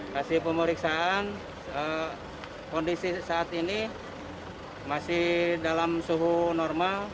hasil pemeriksaan kondisi saat ini masih dalam suhu normal